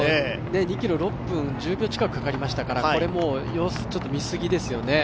２ｋｍが６分１０秒近くかかりましたから、これもう様子見すぎですよね。